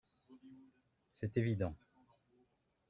C’est évident.